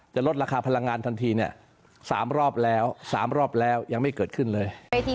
ลดราคาพลังงานทันทีเนี่ย๓รอบแล้ว๓รอบแล้วยังไม่เกิดขึ้นเลย